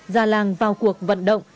ra làng vào cuộc vận động